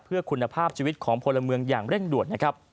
เพื่อคุณภาพชีวิตของพลเมืองอย่างเร่งด่วนนะครับ